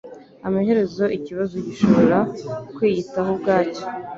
Amaherezo ikibazo gishobora kwiyitaho ubwacyo